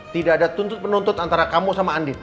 tidak ada tuntut penuntut antara kamu sama andi